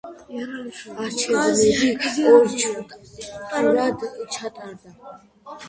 არჩევნები ორ ტურად ჩატარდა.